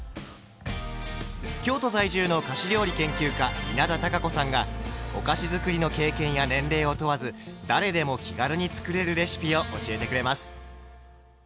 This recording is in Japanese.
京都在住の菓子料理研究家稲田多佳子さんがお菓子づくりの経験や年齢を問わず誰でも気軽に作れるレシピを教えてくれます。